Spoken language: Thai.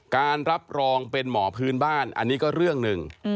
การรับรองเป็นหมอพื้นบ้านอันนี้ก็เรื่องหนึ่ง